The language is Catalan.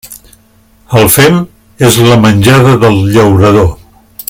El fem és la menjada del llaurador.